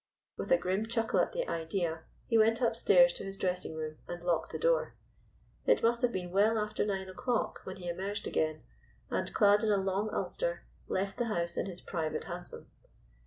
With a grim chuckle at the idea, he went upstairs to his dressing room and locked the door. It must have been well after nine o'clock when he emerged again, and clad in a long ulster, left the house in his private hansom.